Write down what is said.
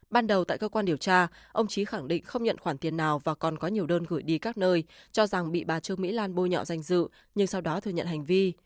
ban đầu tại cơ quan điều tra ông trí khẳng định không nhận khoản tiền nào và còn có nhiều đơn gửi đi các nơi cho rằng bị bà trương mỹ lan bôi nhọ danh dự nhưng sau đó thừa nhận hành vi